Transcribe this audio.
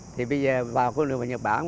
thì bây giờ vào khuôn lượng vào nhật bản